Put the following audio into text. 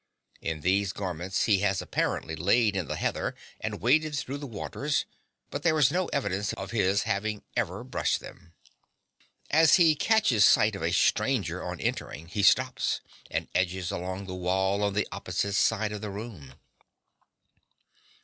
In these garments he has apparently lain in the heather and waded through the waters; but there is no evidence of his having ever brushed them. As he catches sight of a stranger on entering, he stops, and edges along the wall on the opposite side of the room.